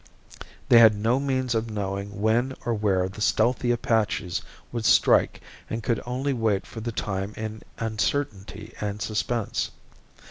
They had no means of knowing when or where the stealthy Apaches would strike and could only wait for the time in uncertainty and suspense.